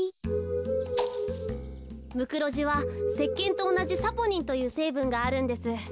ムクロジはせっけんとおなじサポニンというせいぶんがあるんです。